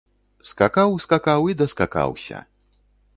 Скакаў, скакаў і даскакаўся.